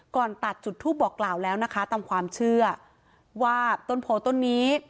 ก่อนตัดจุดทูปบอกกล่าวแล้วนะคะตามความเชื่อว่าต้นโพต้นนี้